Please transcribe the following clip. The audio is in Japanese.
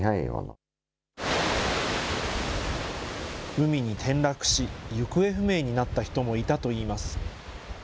海に転落し、行方不明になった人もいたといいます。